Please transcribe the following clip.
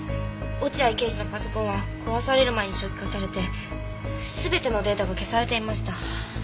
落合刑事のパソコンは壊される前に初期化されて全てのデータが消されていました。